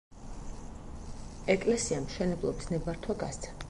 ეკლესიამ მშენებლობის ნებართვა გასცა.